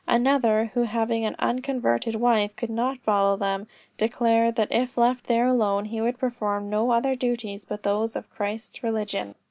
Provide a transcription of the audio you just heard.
Another, who having an unconverted wife, could not follow them, declared that if left there alone, he would perform no other duties but those of Christ's religion.